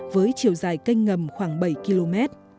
với chiều dài cây ngầm khoảng bảy km